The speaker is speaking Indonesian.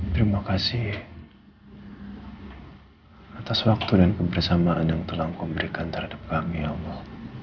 terima kasih atas waktu dan kebersamaan yang telah kuberikan terhadap kami ya allah